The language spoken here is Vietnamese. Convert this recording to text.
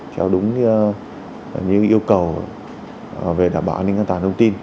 theo đúng như yêu cầu về đảm bảo an ninh an toàn thông tin